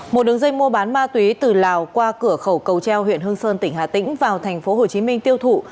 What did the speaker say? một đứng dây mua bán ma túy từ lào qua cửa khẩu cầu treo huyện hương sơn tỉnh hà tĩnh vào thành phố hồ chí minh tiêu thụ